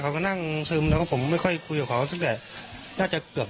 ครับนอนอยู่กับผมแต่กินไม่ได้กิน